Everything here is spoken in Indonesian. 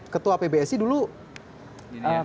ketua pbsi bapak gita wirjawan